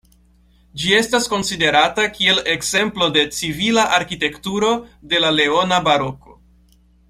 Ĝi estas konsiderata kiel ekzemplo de civila arkitekturo de la leona baroko.